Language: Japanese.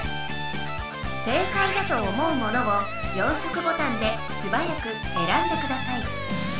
正解だと思うものを４色ボタンですばやくえらんでください。